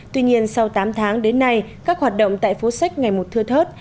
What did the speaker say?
tuy nhiên sau tám tháng đến nay các hoạt động tại phố sách ngày một thưa thớt